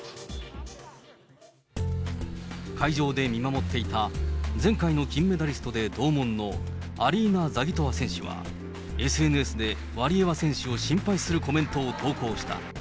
会場で見守っていた前回の金メダリストで同門のアリーナ・ザギトワ選手は、ＳＮＳでワリエワ選手を心配するコメントを投稿した。